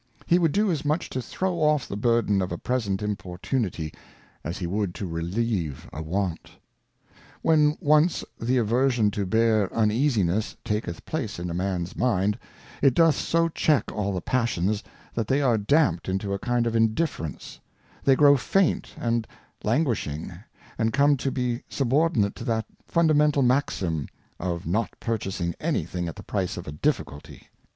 He would do as much to throw off the burden of a present Im portunity, as he would to relieve a want. When once the Aversion to bear Uneasiness taketh place in a Man's Mind, it doth so check all the Passions, that they are dampt into a kind of Indifference; they grow faint and languishing, and come to be subordinate to that fundamental Maxim, of not purchasing any thing at the price of a Difficulty.